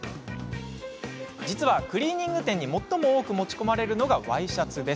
実は、クリーニング店に最も多く持ち込まれるのがワイシャツ。